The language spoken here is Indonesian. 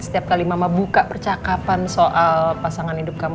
setiap kali mama buka percakapan soal pasangan hidup kamu